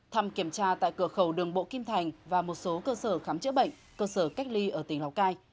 thăm kiểm tra tại cửa khẩu đường bộ kim thành và một số cơ sở khám chữa bệnh cơ sở cách ly ở tỉnh lào cai